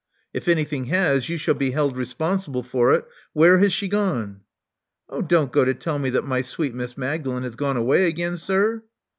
If anything has, you shall be held responsible for it. Where has she gone?" Oh, don't go to tell me that my sweet Miss Magdalen has gone away again, sir!"